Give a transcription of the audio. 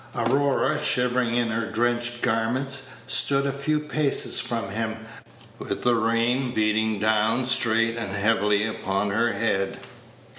Aurora, shivering in her drenched garments, stood a few paces from him, with the rain beating down straight and heavily upon her head.